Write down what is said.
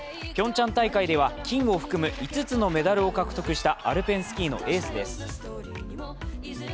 ピョンチャン大会では金を含む５つのメダルを獲得したアルペンスキーのエースです。